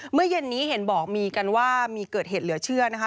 เมื่อเย็นนี้เห็นบอกมีกันว่ามีเกิดเหตุเหลือเชื่อนะคะ